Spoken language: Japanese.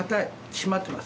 締まってます。